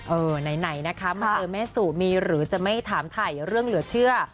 ไหนนะคะมาเจอแม่สู่มีหรือจะไม่ถามถ่ายเรื่องเหลือเชื่อ